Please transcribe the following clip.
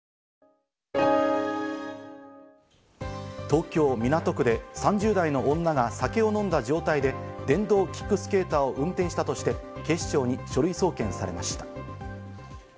東京・港区で３０代の女が酒を飲んだ状態で電動キックスケーターを運転したとして、警視庁に書類送検されました。